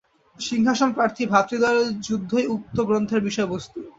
সিংহাসনপ্রার্থী ভ্রাতৃদ্বয়ের যুদ্ধই উক্ত গ্রন্থের বিষয়বস্তু।